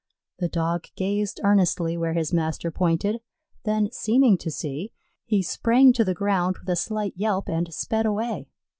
The Dog gazed earnestly where his master pointed, then seeming to see, he sprang to the ground with a slight yelp and sped away.